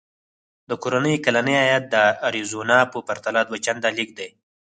د کورنیو کلنی عاید د اریزونا په پرتله دوه چنده لږ دی.